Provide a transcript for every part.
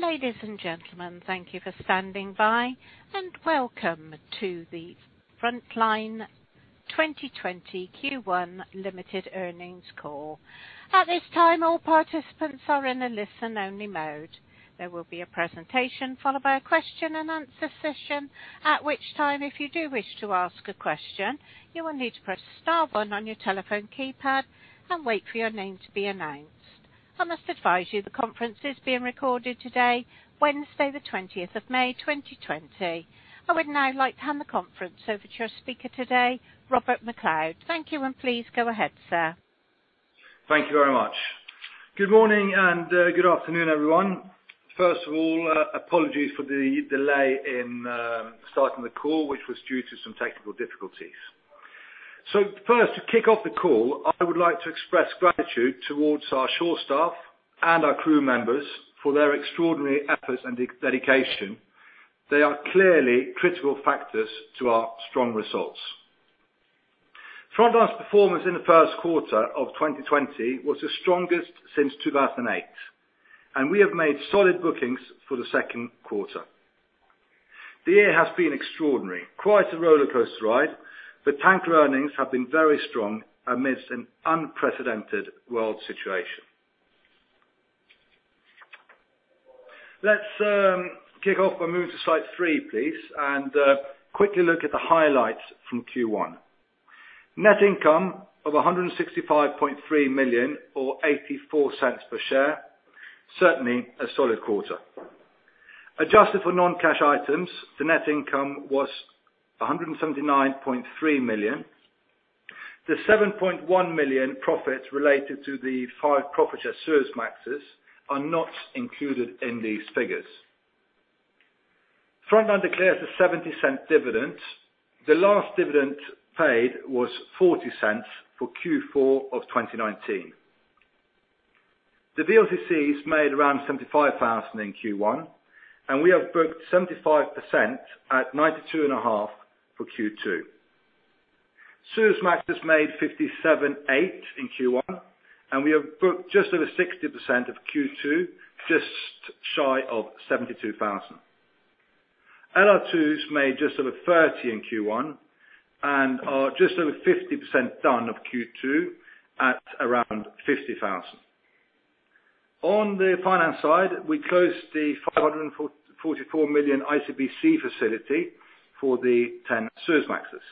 Ladies and gentlemen, thank you for standing by, and welcome to the Frontline 2020 Q1 Limited Earnings Call. At this time, all participants are in a listen only mode. There will be a presentation followed by a question and answer session, at which time, if you do wish to ask a question, you will need to press star one on your telephone keypad and wait for your name to be announced. I must advise you the conference is being recorded today, Wednesday the 20th of May, 2020. I would now like to hand the conference over to our speaker today, Robert Macleod. Thank you, and please go ahead, sir. Thank you very much. Good morning and good afternoon, everyone. First of all, apologies for the delay in starting the call, which was due to some technical difficulties. First, to kick off the call, I would like to express gratitude towards our shore staff and our crew members for their extraordinary efforts and dedication. They are clearly critical factors to our strong results. Frontline's performance in the first quarter of 2020 was the strongest since 2008, and we have made solid bookings for the second quarter. The year has been extraordinary. Quite a rollercoaster ride, but tanker earnings have been very strong amidst an unprecedented world situation. Let's kick off by moving to slide three, please, and quickly look at the highlights from Q1. Net income of $165.3 million or $0.84 per share, certainly a solid quarter. Adjusted for non-cash items, the net income was $179.3 million. The $7.1 million profits related to the five profit Suezmaxes are not included in these figures. Frontline declares a $0.70 dividend. The last dividend paid was $0.40 for Q4 of 2019. The VLCCs made around $75,000 in Q1, and we have booked 75% at $92.5 for Q2. Suezmax has made $57,000 in Q1, and we have booked just over 60% of Q2, just shy of $72,000. LR2s made just over $30,000 in Q1 and are just over 50% done of Q2 at around $50,000. On the finance side, we closed the $544 million ICBC facility for the 10 Suezmaxes.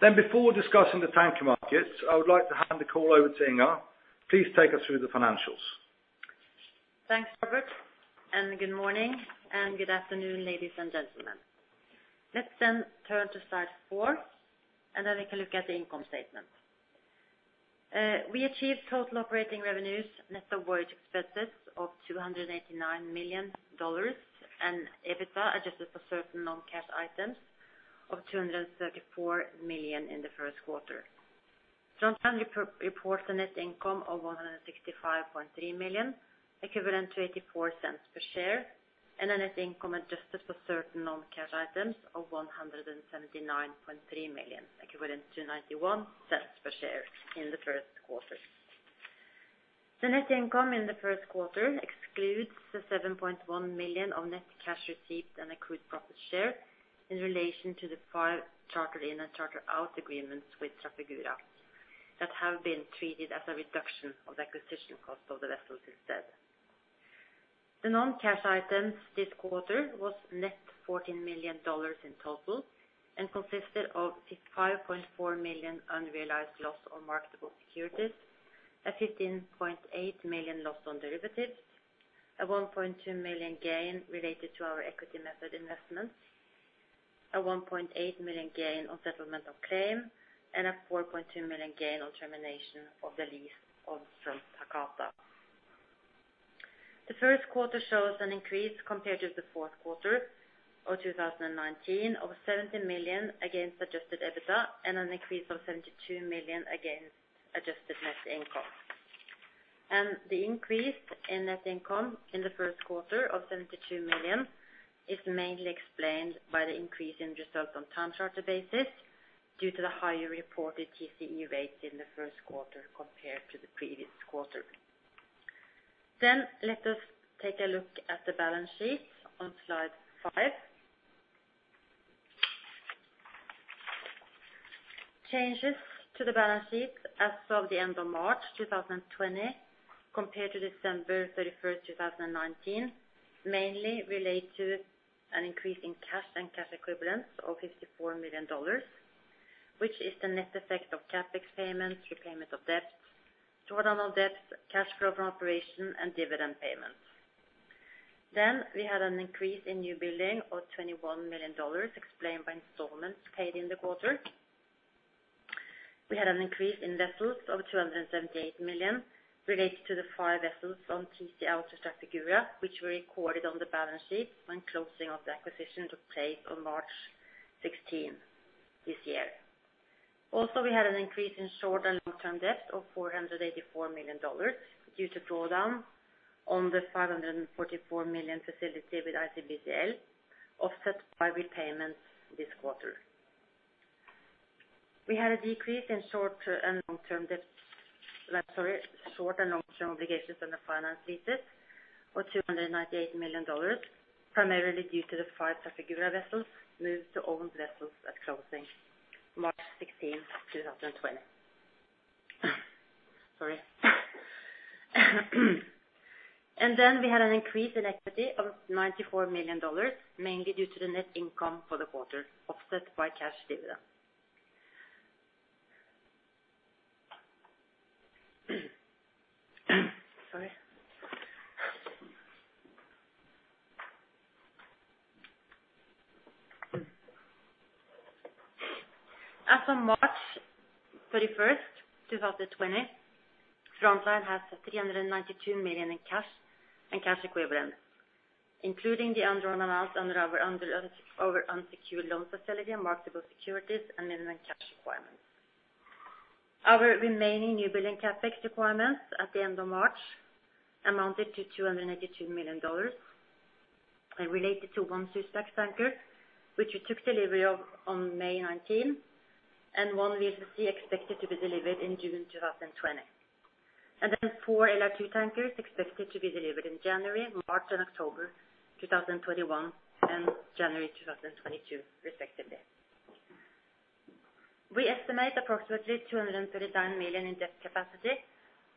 Before discussing the tanker markets, I would like to hand the call over to Inger. Please take us through the financials. Thanks, Robert. Good morning and good afternoon, ladies and gentlemen. Let's then turn to slide four, and then we can look at the income statement. We achieved total operating revenues, net of voyage expenses of $289 million. EBITDA, adjusted for certain non-cash items of $234 million in the first quarter. Frontline reports a net income of $165.3 million, equivalent to $0.84 per share. Net income adjusted for certain non-cash items of $179.3 million, equivalent to $0.91 per share in the first quarter. The net income in the first quarter excludes the $7.1 million of net cash received and accrued profit share in relation to the five charter in and charter out agreements with Trafigura that have been treated as a reduction of the acquisition cost of the vessels instead. The non-cash items this quarter was net $14 million in total and consisted of $5.4 million unrealized loss on marketable securities, a $15.8 million loss on derivatives, a $1.2 million gain related to our equity method investments, a $1.8 million gain on settlement of claim, and a $4.2 million gain on termination of the lease of Front Hakata. The first quarter shows an increase compared to the fourth quarter of 2019 of $70 million against adjusted EBITDA and an increase of $72 million against adjusted net income. The increase in net income in the first quarter of $72 million is mainly explained by the increase in results on time charter basis due to the higher reported TCE rates in the first quarter compared to the previous quarter. Let us take a look at the balance sheet on slide five. Changes to the balance sheet as of the end of March 2020 compared to December 31st, 2019, mainly relate to an increase in cash and cash equivalents of $54 million, which is the net effect of CapEx payments, repayment of debts, drawdown of debts, cash flow from operation, and dividend payments. We had an increase in new building of $21 million explained by installments paid in the quarter. We had an increase in vessels of $278 million related to the five vessels on TC out to Trafigura, which we recorded on the balance sheet when closing of the acquisition took place on March 16 this year. We had an increase in short and long-term debts of $484 million due to drawdown on the $544 million facility with ICBCL, offset by repayments this quarter. We had a decrease in short and long-term debt. I'm sorry, short and long-term obligations under finance leases of $298 million, primarily due to the five Trafigura vessels moved to owned vessels at closing March 16th, 2020. Sorry. We had an increase in equity of $94 million, mainly due to the net income for the quarter offset by cash dividend. Sorry. As of March 31st, 2020, Frontline has $392 million in cash and cash equivalents, including the undrawn amounts under our unsecured loan facility and marketable securities and minimum cash requirements. Our remaining newbuilding CapEx requirements at the end of March amounted to $282 million and related to one Suezmax tanker, which we took delivery of on May 19, and one VLCC expected to be delivered in June 2020. Four LR2 tankers expected to be delivered in January, March, and October 2021 and January 2022 respectively. We estimate approximately $239 million in debt capacity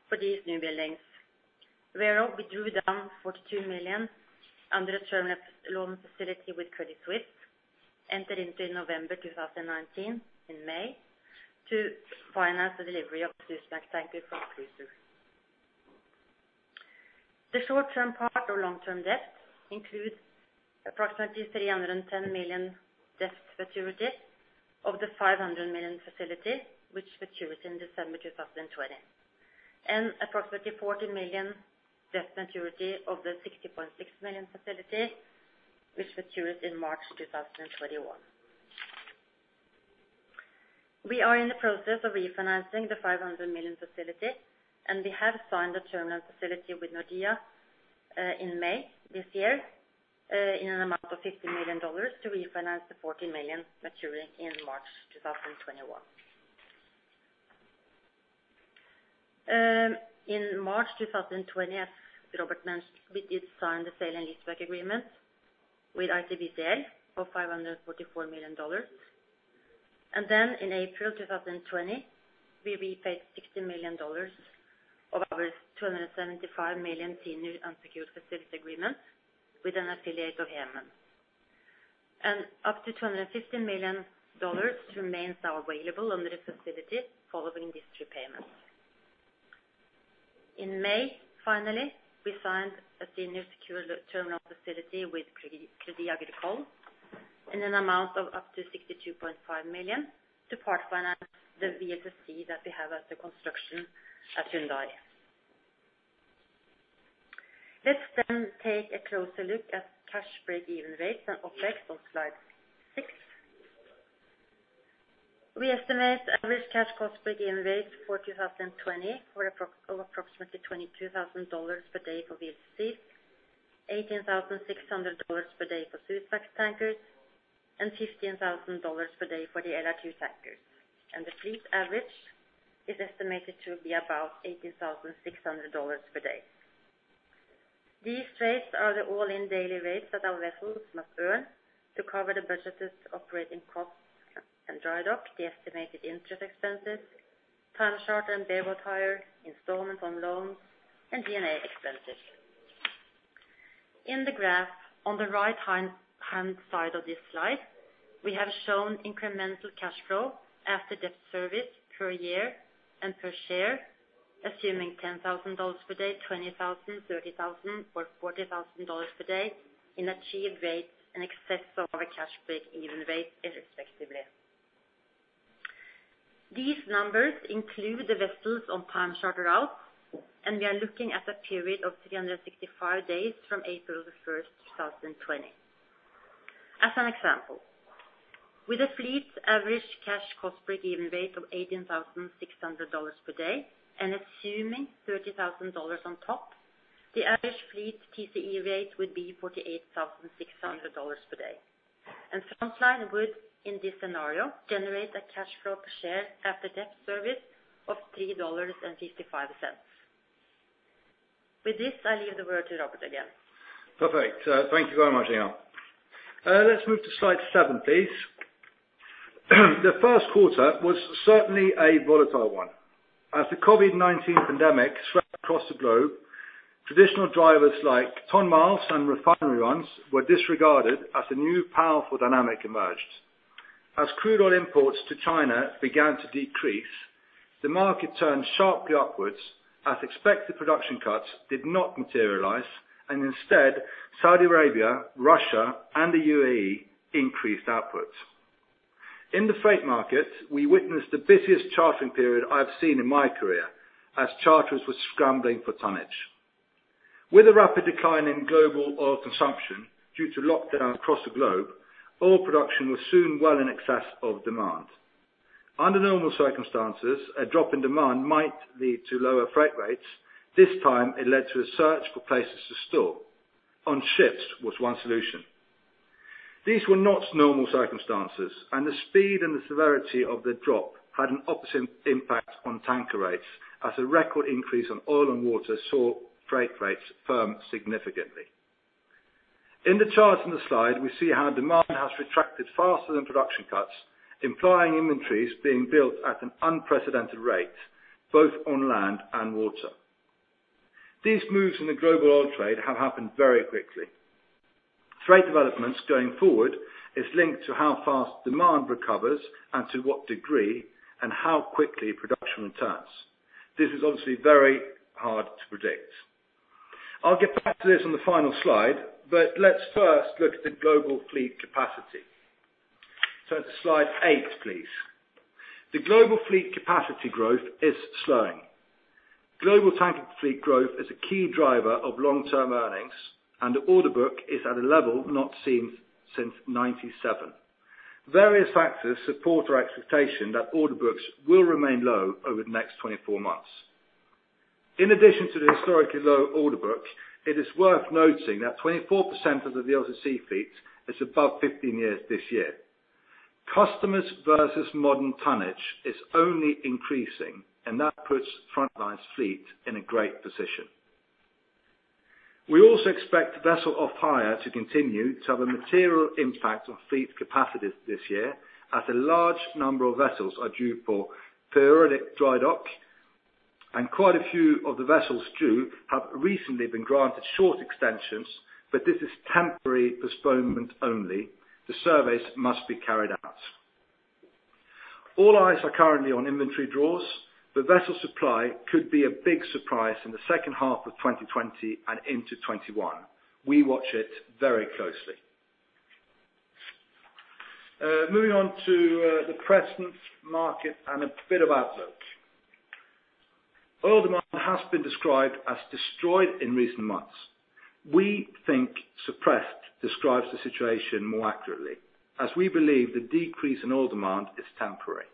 for these newbuildings, whereof we drew down $42 million under a term loan facility with Credit Suisse entered into in November 2019 in May to finance the delivery of Suezmax tanker from. [inaudible] The short-term part or long-term debt includes approximately $310 million debt maturity of the $500 million facility which matures in December 2020. Approximately $40 million debt maturity of the $60.6 million facility which matures in March 2021. We are in the process of refinancing the $500 million facility, and we have signed a term facility with Nordea in May this year in an amount of $50 million to refinance the $40 million maturing in March 2021. In March 2020, as Robert mentioned, we did sign the sale and leaseback agreement with ICBC for $544 million. In April 2020, we repaid $60 million of our $275 million senior unsecured facility agreement with an affiliate of Hemen. Up to $215 million remains now available under the facility following these two payments. In May, finally, we signed a senior secured term loan facility with Crédit Agricole in an amount of up to $62.5 million to part-finance the VLCC that we have under construction at Hyundai. Let's then take a closer look at cash breakeven rates and OpEx on slide six. We estimate average cash cost breakeven rates for 2020 were approximately $22,000 per day for VLCCs, $18,600 per day for Suezmax tankers, and $15,000 per day for the LR2 tankers. The fleet average is estimated to be about $18,600 per day. These rates are the all-in daily rates that our vessels must earn to cover the budgeted operating costs and drydock, the estimated interest expenses, time charter and bareboat hire, installments on loans, and D&A expenses. In the graph on the right-hand side of this slide, we have shown incremental cash flow after debt service per year and per share, assuming $10,000 per day, $20,000, $30,000 or $40,000 per day in achieved rates in excess of our cash breakeven rate irrespectively. These numbers include the vessels on time charter out, We are looking at a period of 365 days from April 1st, 2020. As an example, with a fleet average cash cost breakeven rate of $18,600 per day and assuming $30,000 on top, the average fleet TCE rate would be $48,600 per day. Frontline would, in this scenario, generate a cash flow per share after debt service of $3.55. With this, I leave the word to Robert again. Perfect. Thank you very much, Inger. Let's move to slide seven, please. The first quarter was certainly a volatile one. As the COVID-19 pandemic swept across the globe, traditional drivers like ton miles and refinery runs were disregarded as a new powerful dynamic emerged. As crude oil imports to China began to decrease, the market turned sharply upwards as expected production cuts did not materialize, and instead Saudi Arabia, Russia, and the UAE increased outputs. In the freight market, we witnessed the busiest chartering period I have seen in my career as charters were scrambling for tonnage. With a rapid decline in global oil consumption due to lockdowns across the globe, oil production was soon well in excess of demand. Under normal circumstances, a drop in demand might lead to lower freight rates. This time it led to a search for places to store. On ships was one solution. These were not normal circumstances, and the speed and the severity of the drop had an opposite impact on tanker rates as a record increase on oil on water saw freight rates firm significantly. In the chart in the slide, we see how demand has retracted faster than production cuts, implying inventories being built at an unprecedented rate, both on land and water. These moves in the global oil trade have happened very quickly. Freight developments going forward is linked to how fast demand recovers and to what degree and how quickly production returns. This is obviously very hard to predict. I'll get back to this on the final slide, but let's first look at the global fleet capacity. To slide eight, please. The global fleet capacity growth is slowing. Global tanker fleet growth is a key driver of long-term earnings, and the order book is at a level not seen since 1997. Various factors support our expectation that order books will remain low over the next 24 months. In addition to the historically low order book, it is worth noting that 24% of the old fleet is above 15 years this year. Customers versus modern tonnage is only increasing, and that puts Frontline's fleet in a great position. We also expect vessel off hire to continue to have a material impact on fleet capacities this year as a large number of vessels are due for periodic dry dock, and quite a few of the vessels due have recently been granted short extensions, but this is temporary postponement only. The surveys must be carried out. All eyes are currently on inventory draws, vessel supply could be a big surprise in the second half of 2020 and into 2021. We watch it very closely. Moving on to the present market and a bit of outlook. Oil demand has been described as destroyed in recent months. We think suppressed describes the situation more accurately, as we believe the decrease in oil demand is temporary.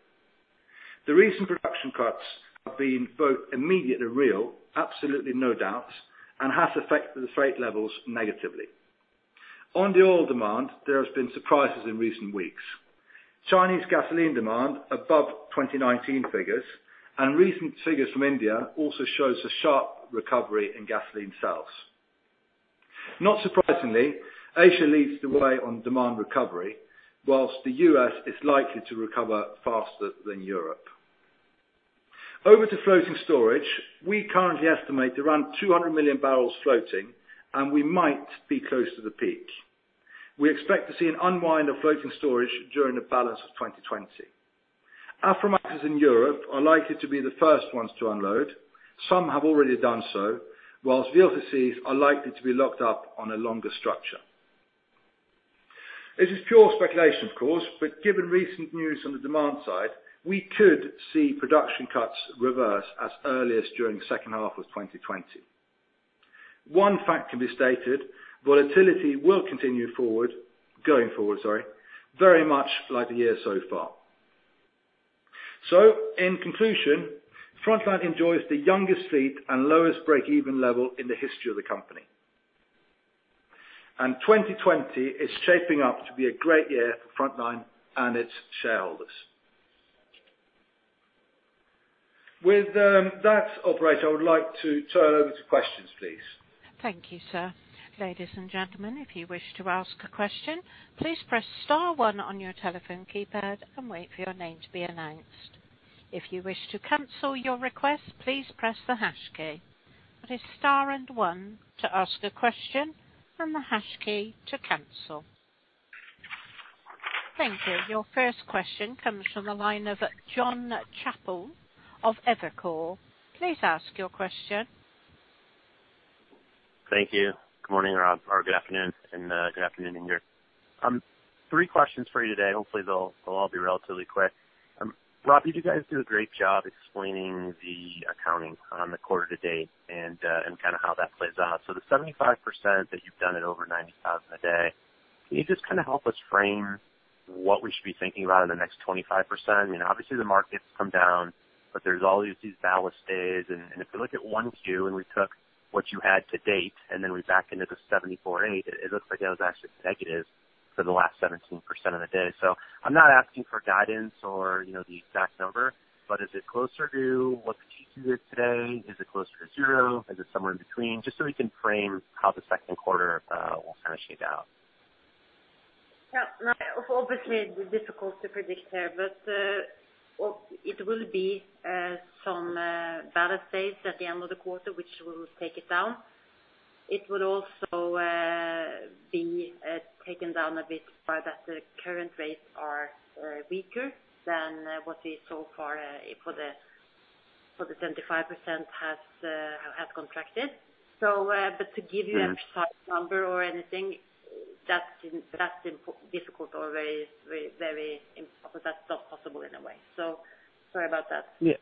The recent production cuts have been both immediate and real, absolutely no doubts, and have affected the freight levels negatively. On the oil demand, there has been surprises in recent weeks. Chinese gasoline demand above 2019 figures and recent figures from India also shows a sharp recovery in gasoline sales. Not surprisingly, Asia leads the way on demand recovery, whilst the U.S. is likely to recover faster than Europe. Over to floating storage, we currently estimate around 200 million barrels floating. We might be close to the peak. We expect to see an unwind of floating storage during the balance of 2020. Aframaxes in Europe are likely to be the first ones to unload. Some have already done so, whilst VLCCs are likely to be locked up on a longer structure. It is pure speculation, of course. Given recent news on the demand side, we could see production cuts reverse as early as during second half of 2020. One fact can be stated. Volatility will continue forward, going forward, sorry, very much like the year so far. In conclusion, Frontline enjoys the youngest fleet and lowest break-even level in the history of the company. 2020 is shaping up to be a great year for Frontline and its shareholders. With that, Operator, I would like to turn over to questions, please. Thank you, sir. Ladies and gentlemen, if you wish to ask a question, please press star 1 on your telephone keypad and wait for your name to be announced. If you wish to cancel your request, please press the hash key. That is star and 1 to ask a question and the hash key to cancel. Thank you. Your first question comes from the line of Jon Chappell of Evercore. Please ask your question. Thank you. Good morning, or good afternoon, and good afternoon, Inger. Three questions for you today. Hopefully, they'll all be relatively quick. Rob, you guys do a great job explaining the accounting on the quarter to date and kind of how that plays out. The 75% that you've done at over $90,000 a day, can you just kind of help us frame what we should be thinking about in the next 25%? Obviously, the market's come down, but there's always these ballast days. If we look at Q1 and we took what you had to date, and then we back into the $74.8, it looks like it was actually negative for the last 17% of the day. I'm not asking for guidance or the exact number, but is it closer to what the Q2 is today? Is it closer to zero? Is it somewhere in between? Just so we can frame how the second quarter will kind of shake out. Yeah. Obviously, it's difficult to predict there, but it will be some ballast days at the end of the quarter, which will take it down. It will also be taken down a bit by that the current rates are weaker than what we so far for the 75% has contracted. To give you an exact number or anything, that's difficult or that's not possible in a way. Sorry about that. Yeah.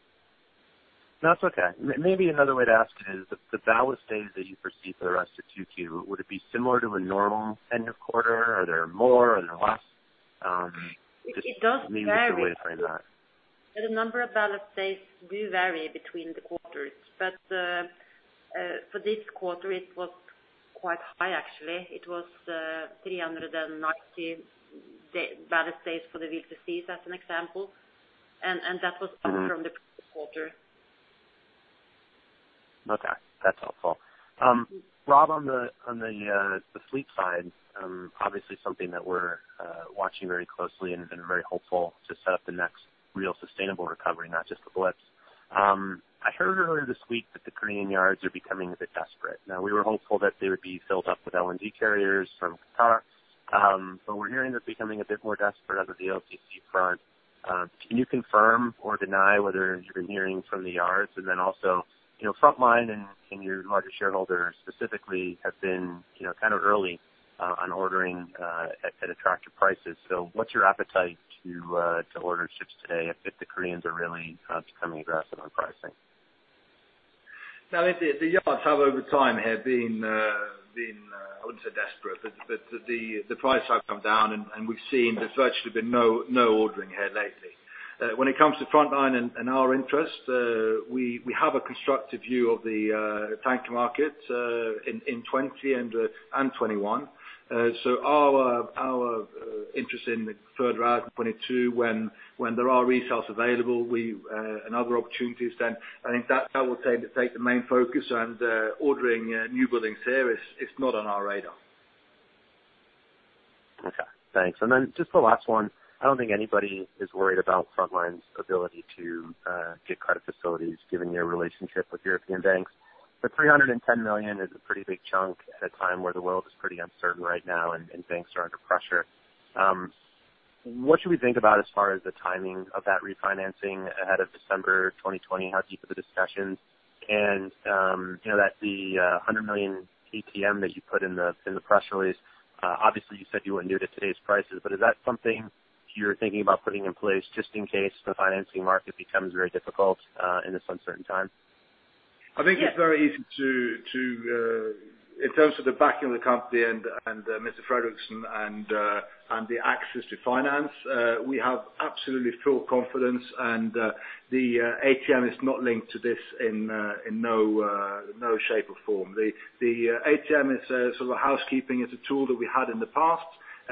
No, that's okay. Maybe another way to ask it is, the ballast days that you foresee for the rest of Q2, would it be similar to a normal end of quarter? Are there more? Are there less? It does vary. Maybe there's a way to frame that. The number of ballast days do vary between the quarters. For this quarter, it was quite high, actually. It was 390 ballast days for the VLCCs, as an example. That was up from the previous quarter. Okay. That's helpful. Rob, on the fleet side, obviously something that we're watching very closely and have been very hopeful to set up the next real sustainable recovery, not just the blitz. I heard earlier this week that the Korean yards are becoming a bit desperate. We were hopeful that they would be filled up with LNG carriers from Qatar. We're hearing they're becoming a bit more desperate on the VLCC front. Can you confirm or deny whether you've been hearing from the yards? Then also, Frontline and your larger shareholders specifically have been early on ordering at attractive prices. What's your appetite to order ships today if the Koreans are really becoming aggressive on pricing? The yards have, over time, have been, I wouldn't say desperate, but the price has come down and we've seen there's virtually been no ordering here lately. When it comes to Frontline and our interest, we have a constructive view of the tanker market in 2020 and 2021. Our interest in the further out in 2022 when there are resales available and other opportunities then, I think that will take the main focus and ordering newbuildings there is not on our radar. Okay, thanks. Just the last one. I don't think anybody is worried about Frontline's ability to get credit facilities given your relationship with European banks. $310 million is a pretty big chunk at a time where the world is pretty uncertain right now and banks are under pressure. What should we think about as far as the timing of that refinancing ahead of December 2020? How deep are the discussions? The $100 million ATM that you put in the press release, obviously you said you wouldn't do it at today's prices, but is that something you're thinking about putting in place just in case the financing market becomes very difficult in this uncertain time? I think it's very easy in terms of the backing of the company and Mr. Fredriksen and the access to finance, we have absolutely full confidence. The ATM is not linked to this in no shape or form. The ATM is sort of a housekeeping. It's a tool that we had in the past.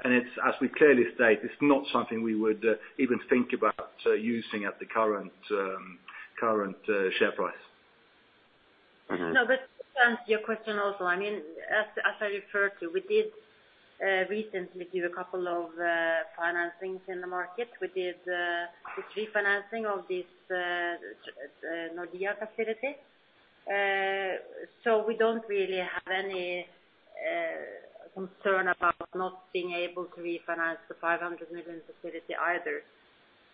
As we clearly state, it's not something we would even think about using at the current share price. No, to answer your question also, as I referred to, we did recently do a couple of financings in the market. We did the refinancing of this Nordea facility. We don't really have any concern about not being able to refinance the $500 million facility either.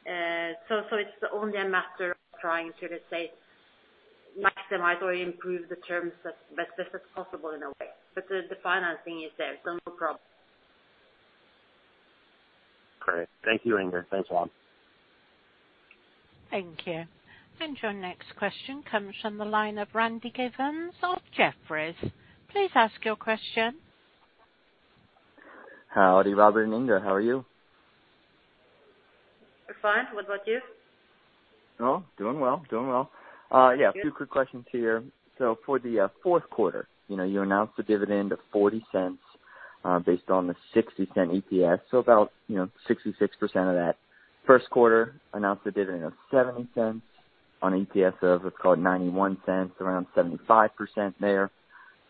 It's only a matter of trying to, let's say, maximize or improve the terms as best as possible in a way. The financing is there, so no problem. Great. Thank you, Inger. Thanks, Rob. Thank you. Your next question comes from the line of Randy Giveans of Jefferies. Please ask your question. Howdy, Robert and Inger. How are you? We're fine. What about you? Oh, doing well. Yeah. Thank you. A few quick questions here. For the fourth quarter, you announced a dividend of $0.40 based on the $0.60 EPS. About 66% of that first quarter announced a dividend of $0.70 on EPS of, let's call it $0.91, around 75% there.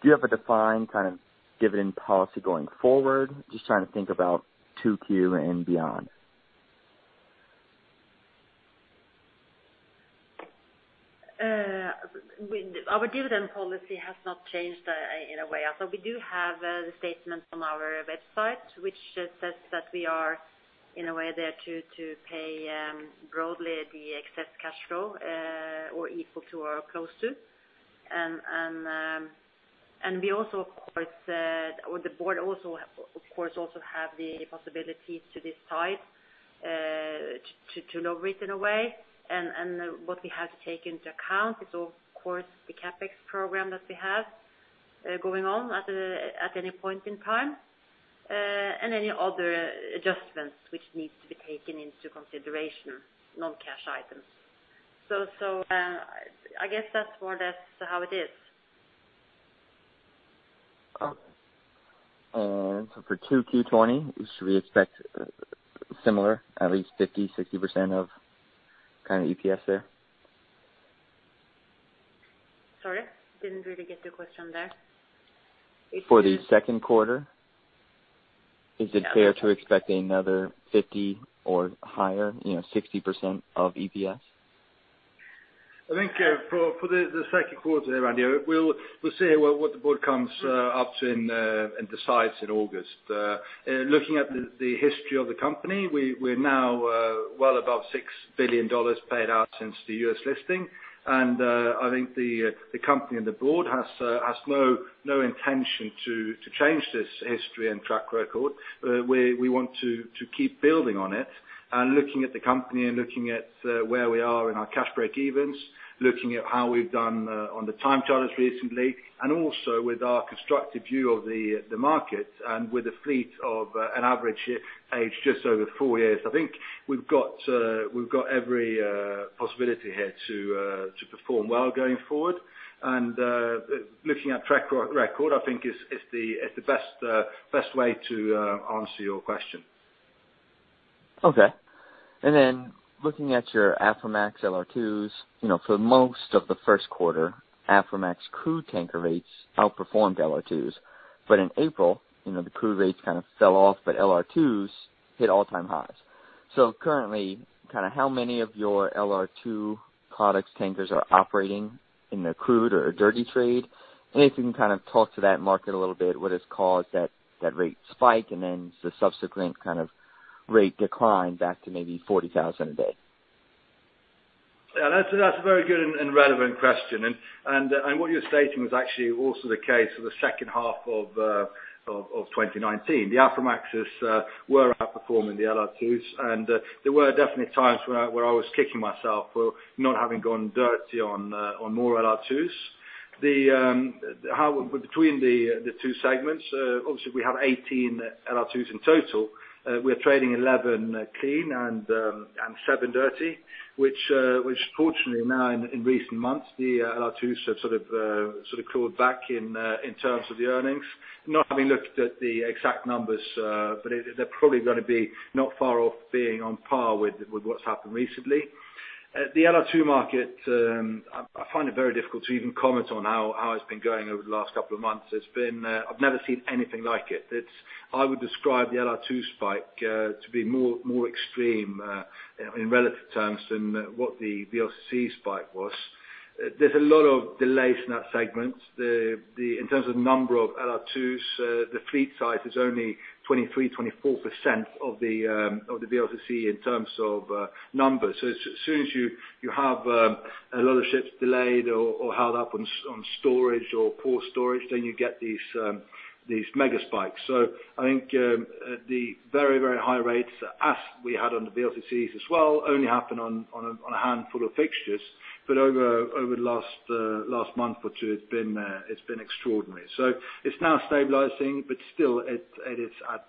Do you have a defined kind of dividend policy going forward? Just trying to think about 2Q and beyond. Our dividend policy has not changed in a way. We do have the statement on our website which says that we are in a way there to pay broadly the excess cash flow or equal to or close to. The board also of course also have the possibility to decide to low risk in a way. What we have to take into account is of course the CapEx program that we have going on at any point in time, and any other adjustments which needs to be taken into consideration, non-cash items. I guess that's more or less how it is. Okay. For 2Q 2020, should we expect similar, at least 50%-60% of kind of EPS there? Sorry, didn't really get the question there. For the second quarter, is it fair to expect another 50% or higher, 60% of EPS? I think for the second quarter there, Randy, we will see what the board comes up and decides in August. Looking at the history of the company, we are now well above $6 billion paid out since the U.S. listing. I think the company and the board has no intention to change this history and track record. We want to keep building on it. Looking at the company and looking at where we are in our cash break evens, looking at how we have done on the time charters recently, and also with our constructive view of the market, and with a fleet of an average age just over four years, I think we have got every possibility here to perform well going forward. Looking at track record, I think is the best way to answer your question. Okay. Looking at your Aframax LR2s, for most of the first quarter, Aframax crude tanker rates outperformed LR2s. In April, the crude rates kind of fell off, but LR2s hit all-time highs. Currently, how many of your LR2 products tankers are operating in the crude or dirty trade? If you can kind of talk to that market a little bit, what has caused that rate spike, and then the subsequent rate decline back to maybe $40,000 a day. Yeah, that's a very good and relevant question. What you're stating was actually also the case for the second half of 2019. The Aframaxes were outperforming the LR2s, and there were definitely times where I was kicking myself for not having gone dirty on more LR2s. Between the two segments, obviously we have 18 LR2s in total. We're trading 11 clean and seven dirty, which fortunately now in recent months, the LR2s have sort of crawled back in terms of the earnings. Not having looked at the exact numbers, but they're probably going to be not far off being on par with what's happened recently. The LR2 market, I find it very difficult to even comment on how it's been going over the last couple of months. I've never seen anything like it. I would describe the LR2 spike to be more extreme, in relative terms, than what the VLCC spike was. There's a lot of delays in that segment. In terms of number of LR2s, the fleet size is only 23%-24% of the VLCC in terms of numbers. As soon as you have a lot of ships delayed or held up on storage or poor storage, then you get these mega spikes. I think the very, very high rates, as we had on the VLCCs as well, only happen on a handful of fixtures. Over the last month or two, it's been extraordinary. It's now stabilizing, but still, it is at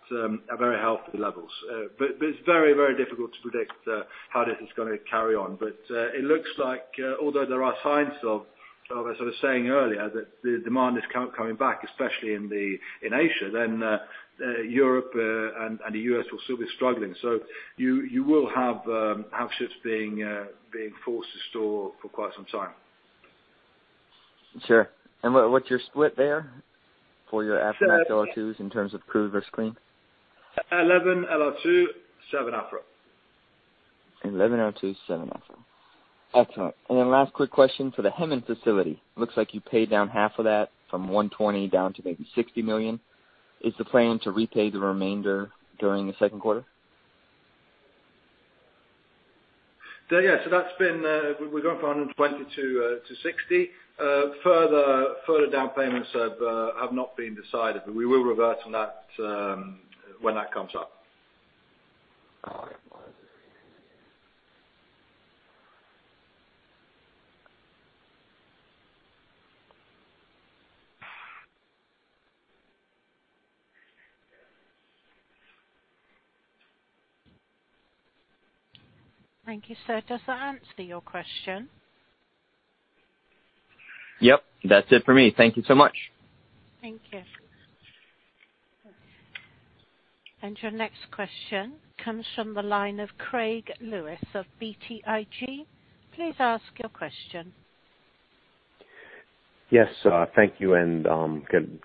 very healthy levels. It's very, very difficult to predict how this is going to carry on. It looks like, although there are signs of, as I was saying earlier, that the demand is coming back, especially in Asia, then Europe and the U.S. will still be struggling. You will have ships being forced to store for quite some time. Sure. What's your split there for your Aframax LR2s in terms of crude versus clean? 11 LR2, seven Afra. 11 LR2, seven Afra. Excellent. Last quick question for the Hemen facility. Looks like you paid down half of that from $120 down to maybe $60 million. Is the plan to repay the remainder during the second quarter? Yeah. We're going from 120 to 60. Further down payments have not been decided, but we will revert on that when that comes up. Thank you, sir. Does that answer your question? Yep. That's it for me. Thank you so much. Thank you. Your next question comes from the line of Greg Lewis of BTIG. Please ask your question. Yes. Thank you and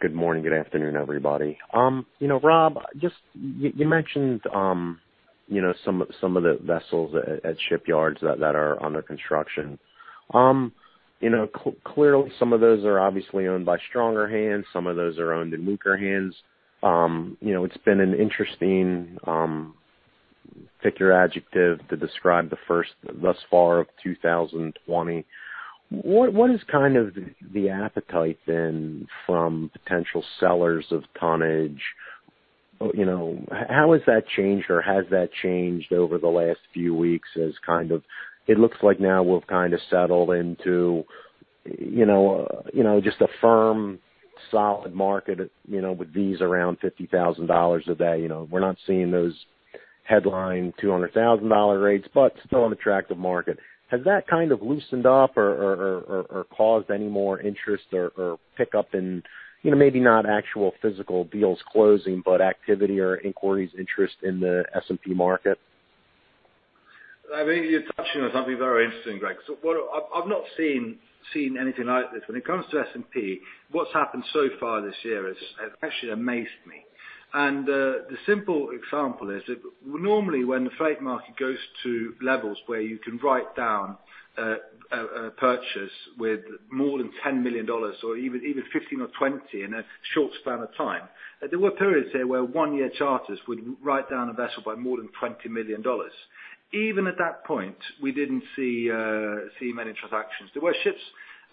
good morning, good afternoon, everybody. Rob, you mentioned some of the vessels at shipyards that are under construction. Clearly, some of those are obviously owned by stronger hands, some of those are owned in weaker hands. It's been an interesting, pick your adjective, to describe the first thus far of 2020. What is kind of the appetite then from potential sellers of tonnage? How has that changed or has that changed over the last few weeks as kind of, it looks like now we've kind of settled into just a firm, solid market with these around $50,000 a day. We're not seeing those headline $200,000 rates, but still an attractive market. Has that kind of loosened up or caused any more interest or pickup in maybe not actual physical deals closing, but activity or inquiries interest in the S&P market? You're touching on something very interesting, Craig. I've not seen anything like this. When it comes to S&P, what's happened so far this year has actually amazed me. The simple example is that normally when the freight market goes to levels where you can write down a purchase with more than $10 million or even 15 or 20 in a short span of time, there were periods there where one-year charters would write down a vessel by more than $20 million. Even at that point, we didn't see many transactions. There were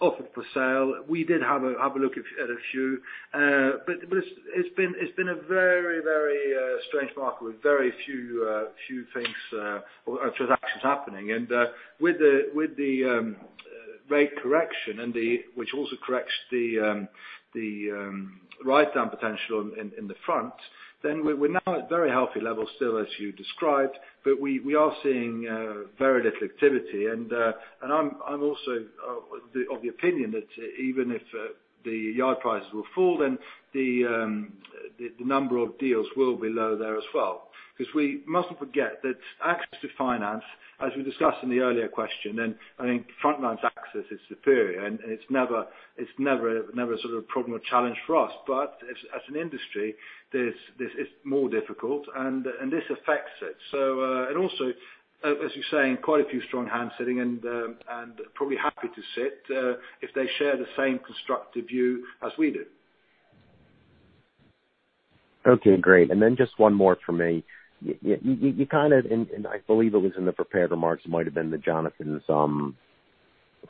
ships offered for sale. We did have a look at a few. It's been a very strange market with very few things or transactions happening. With the rate correction, which also corrects the write-down potential in the front, then we're now at very healthy levels still, as you described, but we are seeing very little activity. I'm also of the opinion that even if the yard prices will fall, then the number of deals will be low there as well. We mustn't forget that access to finance, as we discussed in the earlier question, and I think Frontline's access is superior, and it's never a problem or challenge for us. As an industry, this is more difficult, and this affects it. Also, as you say, quite a few strong hands sitting and probably happy to sit, if they share the same constructive view as we do. Okay, great. Just one more from me. You kind of, I believe it was in the prepared remarks, might have been the Jonathan's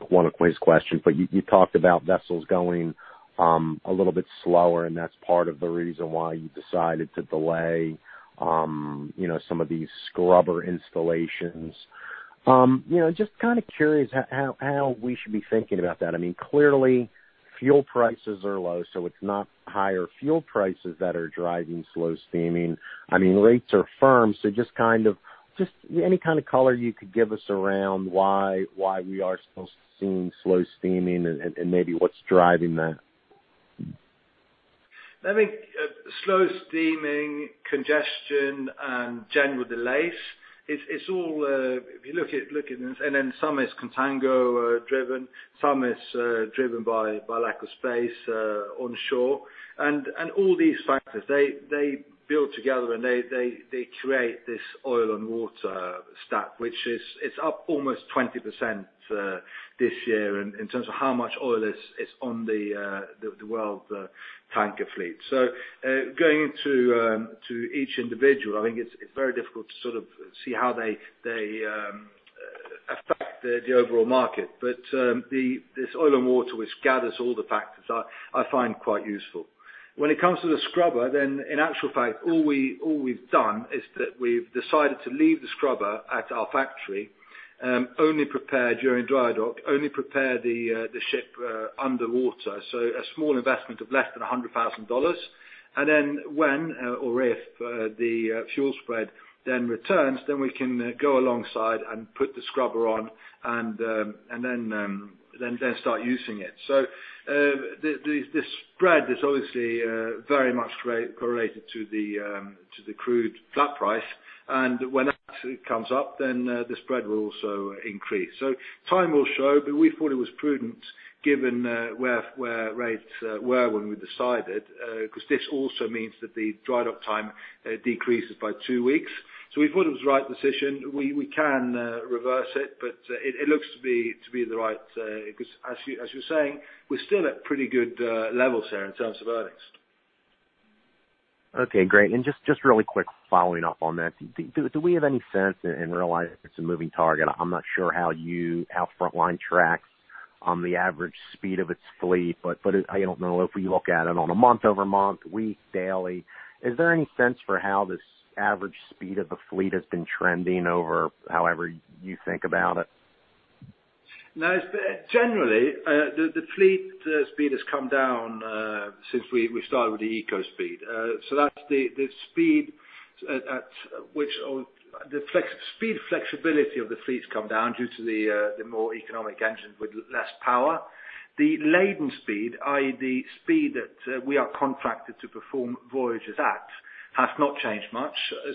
one of his question, you talked about vessels going a little bit slower, and that's part of the reason why you decided to delay some of these scrubber installations. Just curious how we should be thinking about that. Clearly, fuel prices are low, it's not higher fuel prices that are driving slow steaming. Rates are firm. Just any kind of color you could give us around why we are still seeing slow steaming and maybe what's driving that. I think slow steaming, congestion, and general delays, and then some is contango-driven, some is driven by lack of space onshore. All these factors, they build together, and they create this oil and water stat, which is up almost 20% this year in terms of how much oil is on the world tanker fleet. Going into each individual, I think it's very difficult to see how they affect the overall market. This oil and water, which gathers all the factors, I find quite useful. When it comes to the scrubber, then in actual fact, all we've done is that we've decided to leave the scrubber at our factory, only prepare during dry dock, only prepare the ship underwater. A small investment of less than $100,000. When or if the fuel spread then returns, then we can go alongside and put the scrubber on and then start using it. The spread is obviously very much correlated to the crude flat price. When that comes up, then the spread will also increase. Time will show, but we thought it was prudent given where rates were when we decided, because this also means that the dry dock time decreases by two weeks. We thought it was the right decision. We can reverse it, but it looks to be the right, because as you're saying, we're still at pretty good levels here in terms of earnings. Okay, great. Just really quick following up on that, do we have any sense and realize it's a moving target? I'm not sure how you, how Frontline tracks on the average speed of its fleet, but I don't know if we look at it on a month-over-month, week, daily. Is there any sense for how this average speed of the fleet has been trending over however you think about it? No. Generally, the fleet speed has come down since we started with the eco speed. That's the speed flexibility of the fleet's come down due to the more economic engine with less power. The laden speed, i.e., the speed that we are contracted to perform voyages at, has not changed much.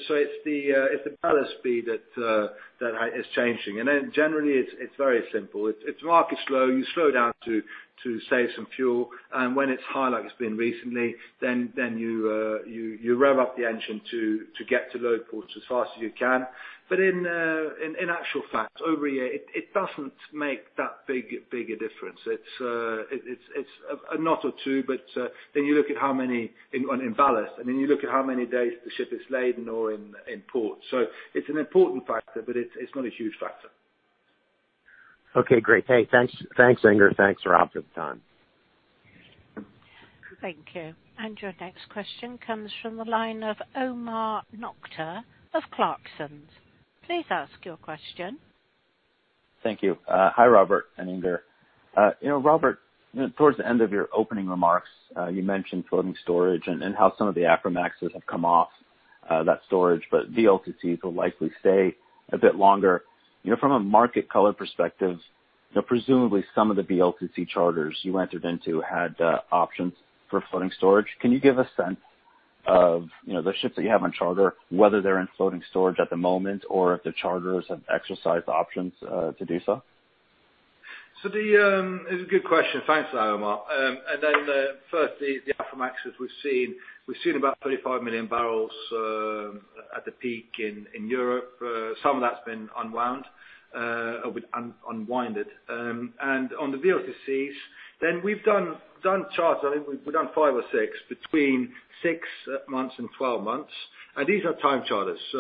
It's the ballast speed that is changing. Generally it's very simple. If the market is slow, you slow down to save some fuel. When it's high, like it's been recently, you rev up the engine to get to load ports as fast as you can. In actual fact, over a year, it doesn't make that big a difference. It's a knot or two, but then you look at how many on in ballast, and then you look at how many days the ship is laden or in port. It's an important factor, but it's not a huge factor. Okay, great. Hey, thanks Inger. Thanks, Rob, for the time. Thank you. Your next question comes from the line of Omar Nokta of Clarksons. Please ask your question. Thank you. Hi, Robert and Inger. Robert, towards the end of your opening remarks, you mentioned floating storage and how some of the Aframaxes have come off that storage, but VLCCs will likely stay a bit longer. From a market color perspective, presumably some of the VLCC charters you entered into had options for floating storage. Can you give a sense of the ships that you have on charter, whether they're in floating storage at the moment or if the charters have exercised options to do so? It's a good question. Thanks, Omar. First, the Aframaxes we've seen about 35 million barrels at the peak in Europe. Some of that's been unwinded. On the VLCCs, then we've done charters, I think we've done five or six between six months and 12 months. These are time charters, so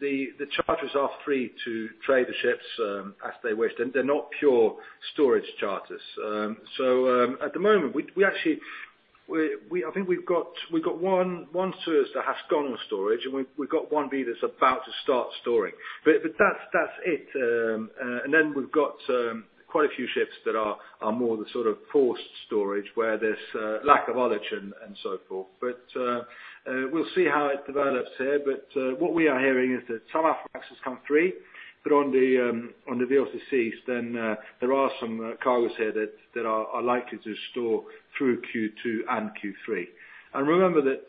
the charters are free to trade the ships as they wish. They're not pure storage charters. At the moment, I think we've got one Suezmax that has gone on storage, and we've got one that's about to start storing. That's it. We've got quite a few ships that are more the sort of forced storage where there's lack of tonnage and so forth. We'll see how it develops here. What we are hearing is that some of our cargoes come free, but on the VLCCs, then there are some cargoes here that are likely to store through Q2 and Q3. Remember that,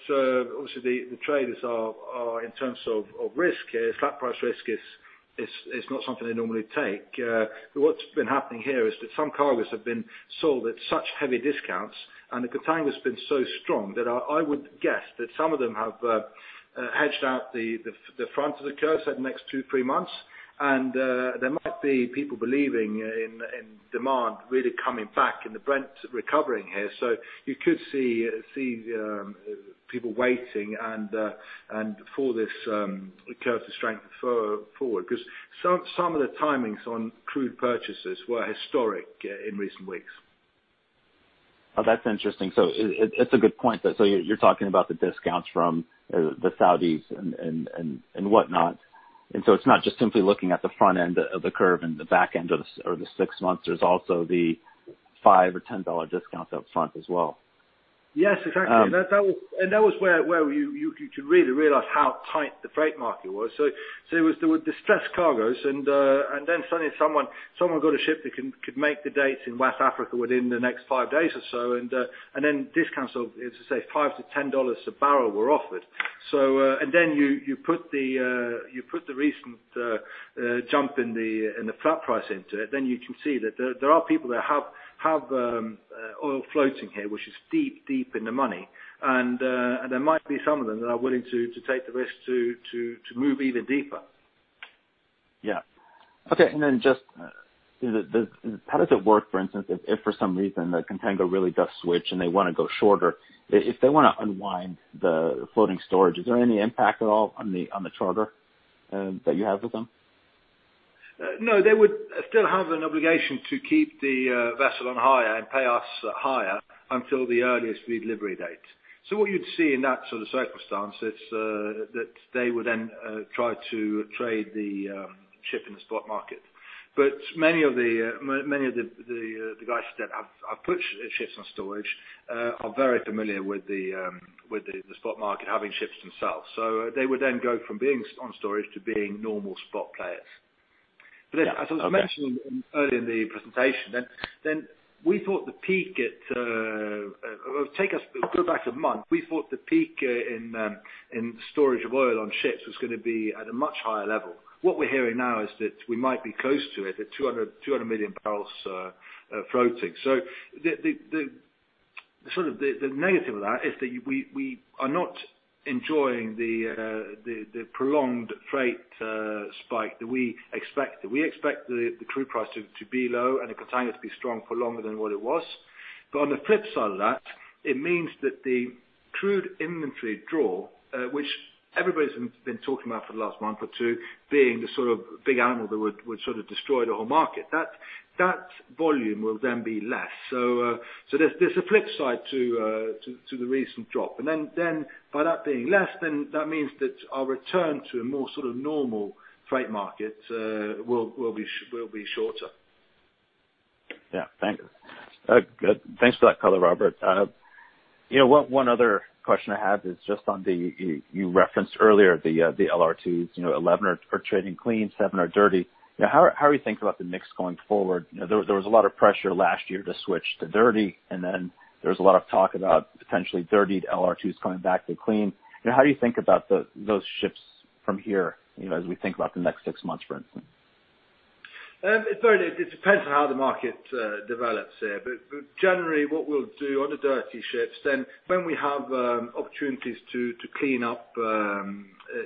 obviously, the traders are, in terms of risk here, flat price risk is not something they normally take. What's been happening here is that some cargoes have been sold at such heavy discounts, and the contango has been so strong that I would guess that some of them have hedged out the front of the curve, say the next two, three months. There might be people believing in demand really coming back and the Brent recovering here. You could see people waiting and for this curve to strengthen forward, because some of the timings on crude purchases were historic in recent weeks. That's interesting. It's a good point. You're talking about the discounts from the Saudis and whatnot. It's not just simply looking at the front end of the curve and the back end of the six months. There's also the $5 or $10 discounts up front as well. Yes, exactly. That was where you could really realize how tight the freight market was. There were distressed cargoes, and then suddenly someone got a ship that could make the dates in West Africa within the next five days or so, and then discounts of, as I say, five to $10 a barrel were offered. Then you put the recent jump in the flat price into it, then you can see that there are people that have oil floating here, which is deep in the money. There might be some of them that are willing to take the risk to move even deeper. Yeah. Okay. Just how does it work, for instance, if for some reason the contango really does switch and they want to go shorter? If they want to unwind the floating storage, is there any impact at all on the charter that you have with them? No, they would still have an obligation to keep the vessel on hire and pay us hire until the earliest redelivery date. What you'd see in that sort of circumstance is that they would then try to trade the ship in the spot market. Many of the guys that have put ships on storage are very familiar with the spot market having ships themselves. They would then go from being on storage to being normal spot players. Yeah. Okay. As I mentioned earlier in the presentation. Go back a month. We thought the peak in storage of oil on ships was going to be at a much higher level. What we're hearing now is that we might be close to it at 200 million barrels floating. The negative of that is that we are not enjoying the prolonged freight spike that we expected. We expect the crude price to be low and the contango to be strong for longer than what it was. On the flip side of that, it means that the crude inventory draw, which everybody's been talking about for the last month or two, being the sort of big animal that would sort of destroy the whole market, that volume will then be less. There's a flip side to the recent drop. By that being less, then that means that our return to a more sort of normal freight market will be shorter. Yeah. Thanks. Good. Thanks for that color, Robert. One other question I had is just on the, you referenced earlier the LR2s, 11 are trading clean, 7 are dirty. How are you thinking about the mix going forward? There was a lot of pressure last year to switch to dirty, there was a lot of talk about potentially dirty LR2s coming back to clean. How do you think about those ships from here, as we think about the next six months, for instance? It depends on how the market develops here. Generally what we'll do on the dirty ships, then when we have opportunities to clean up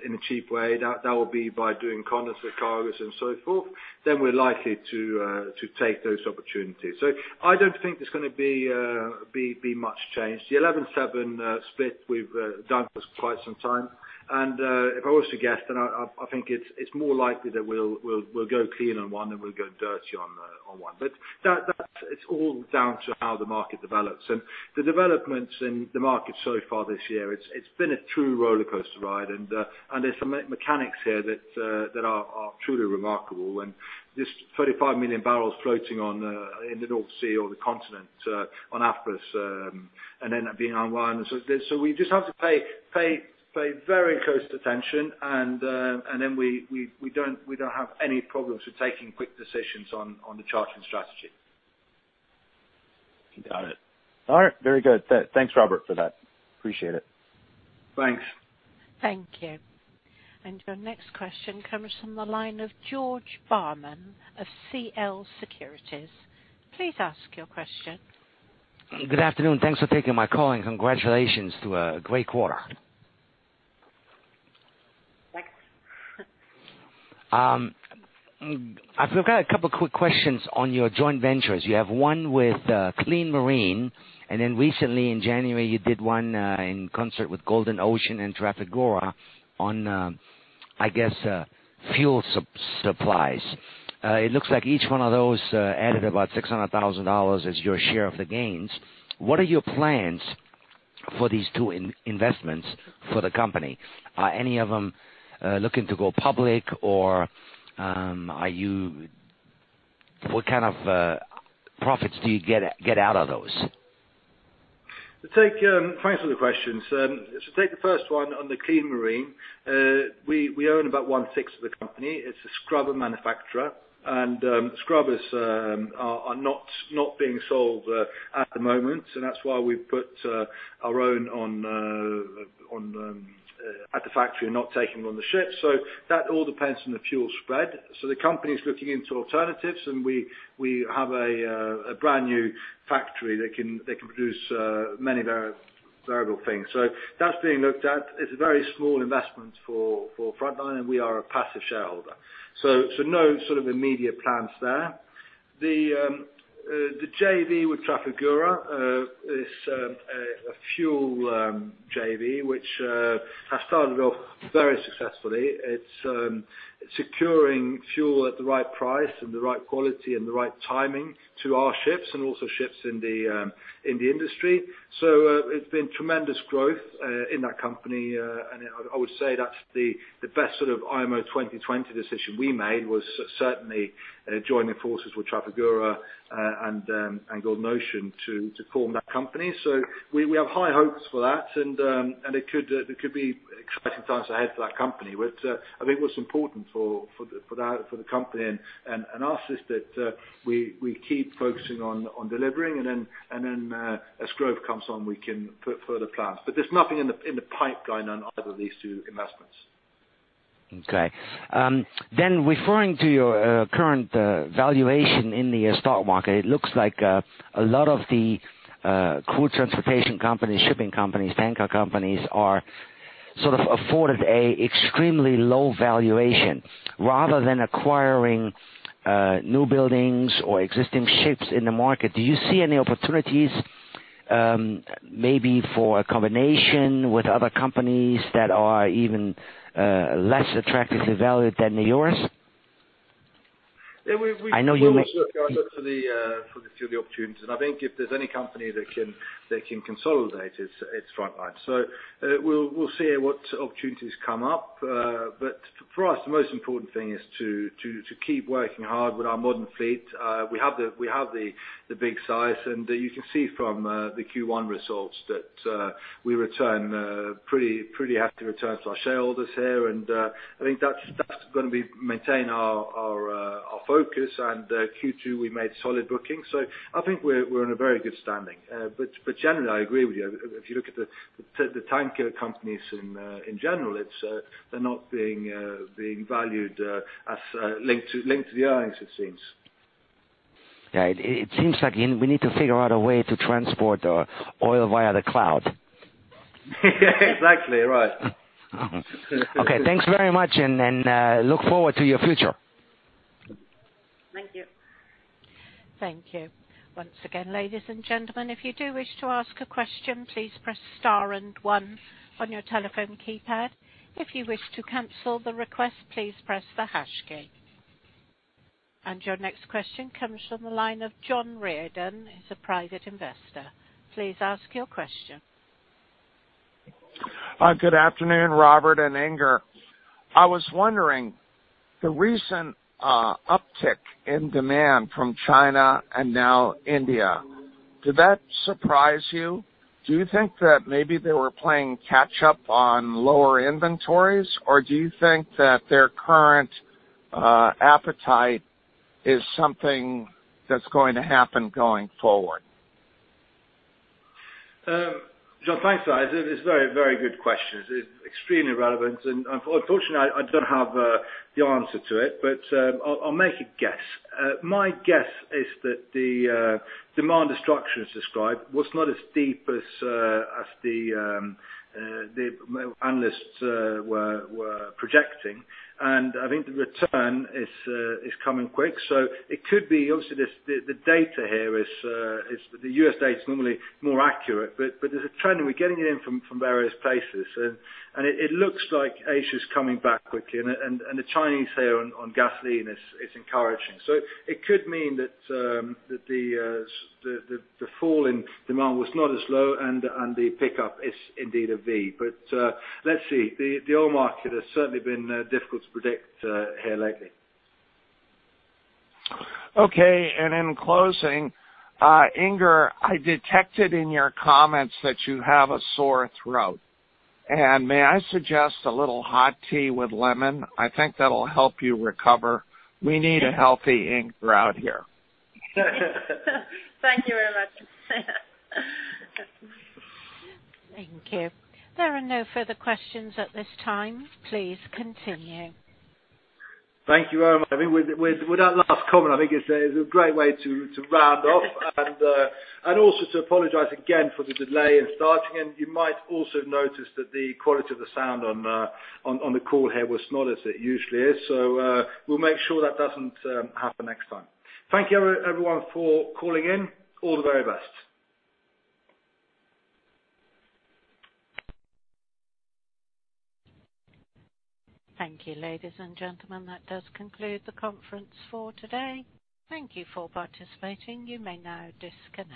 in a cheap way, that will be by doing condensate cargoes and so forth, then we're likely to take those opportunities. I don't think there's going to be much change. The 11/7 split we've done for quite some time, and if I was to guess, then I think it's more likely that we'll go clean on one, and we'll go dirty on one. It's all down to how the market develops. The developments in the market so far this year, it's been a true roller coaster ride, and there's some mechanics here that are truly remarkable. This 35 million barrels floating in the North Sea or the continent, on Afras, and then being unwind. We just have to pay very close attention, and then we don't have any problems with taking quick decisions on the chartering strategy. Got it. All right. Very good. Thanks, Robert, for that. Appreciate it. Thanks. Thank you. Your next question comes from the line of George Burmann of CL Securities. Please ask your question. Good afternoon. Thanks for taking my call. Congratulations to a great quarter. I've got a couple quick questions on your joint ventures. You have one with Clean Marine. Then recently in January, you did one in concert with Golden Ocean and Trafigura on, I guess, fuel supplies. It looks like each one of those added about $600,000 as your share of the gains. What are your plans for these two investments for the company? Are any of them looking to go public, or what kind of profits do you get out of those? Thanks for the questions. Take the first one on the Clean Marine. We own about one-sixth of the company. It's a scrubber manufacturer. Scrubbers are not being sold at the moment, and that's why we've put our own at the factory, not taking them on the ships. That all depends on the fuel spread. The company's looking into alternatives, and we have a brand new factory that can produce many variable things. That's being looked at. It's a very small investment for Frontline, and we are a passive shareholder. No immediate plans there. The JV with Trafigura is a fuel JV, which has started off very successfully. It's securing fuel at the right price and the right quality and the right timing to our ships and also ships in the industry. It's been tremendous growth in that company. I would say that's the best sort of IMO 2020 decision we made, was certainly joining forces with Trafigura, and Golden Ocean to form that company. We have high hopes for that, and it could be exciting times ahead for that company. I think what's important for the company, and us, is that we keep focusing on delivering, and then as growth comes on, we can put further plans. There's nothing in the pipeline on either of these two investments. Okay. Referring to your current valuation in the stock market, it looks like a lot of the crude transportation companies, shipping companies, tanker companies are sort of afforded a extremely low valuation. Rather than acquiring new buildings or existing ships in the market, do you see any opportunities, maybe for a combination with other companies that are even less attractively valued than yours? Yeah. We've looked for the few of the opportunities, and I think if there's any company that can consolidate, it's Frontline. We'll see what opportunities come up. For us, the most important thing is to keep working hard with our modern fleet. We have the big size, and you can see from the Q1 results that we return pretty happy returns to our shareholders here. I think that's going to be maintain our focus. Q2, we made solid bookings, so I think we're in a very good standing. Generally, I agree with you. If you look at the tanker companies in general, they're not being valued as linked to the earnings, it seems. Yeah. It seems like we need to figure out a way to transport our oil via the cloud. Exactly. Right. Okay. Thanks very much, and look forward to your future. Thank you. Thank you. Once again, ladies and gentlemen, if you do wish to ask a question, please press star and one on your telephone keypad. If you wish to cancel the request, please press the hash key. Your next question comes from the line of John Reardon, he is a private investor. Please ask your question. Good afternoon, Robert and Inger. I was wondering, the recent uptick in demand from China and now India, did that surprise you? Do you think that maybe they were playing catch up on lower inventories, or do you think that their current appetite is something that's going to happen going forward? John, thanks for that. It's a very good question. It's extremely relevant, and unfortunately, I don't have the answer to it. I'll make a guess. My guess is that the demand destruction as described was not as deep as the analysts were projecting, and I think the return is coming quick. It could be, obviously, the U.S. data is normally more accurate. There's a trend, and we're getting it in from various places. It looks like Asia is coming back quickly, and the Chinese here on gasoline is encouraging. It could mean that the fall in demand was not as low and the pickup is indeed a V. Let's see. The oil market has certainly been difficult to predict here lately. Okay. In closing, Inger, I detected in your comments that you have a sore throat. May I suggest a little hot tea with lemon? I think that'll help you recover. We need a healthy Inger out here. Thank you very much. Thank you. There are no further questions at this time. Please continue. Thank you very much. I mean, with that last comment, I think it's a great way to round off. Also to apologize again for the delay in starting. You might also notice that the quality of the sound on the call here was not as it usually is. We'll make sure that doesn't happen next time. Thank you everyone for calling in. All the very best. Thank you, ladies and gentlemen. That does conclude the conference for today. Thank you for participating. You may now disconnect.